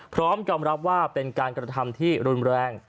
พร้อมยอมรับว่าเป็นการกระทำที่รุนแรง